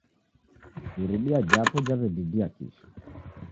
Iridia japo jaw'edidia kisha